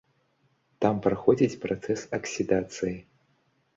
Там праходзіць працэс аксідацыі.